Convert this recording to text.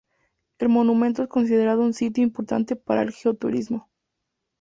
El monumento es considerado un sitio importante para el "Geo Turismo".